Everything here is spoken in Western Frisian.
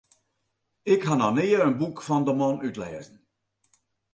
Ik ha noch nea in boek fan de man útlêzen.